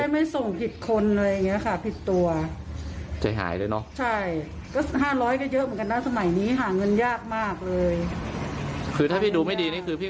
ไม่เคยขี่ไวอะไรขนาดนั้น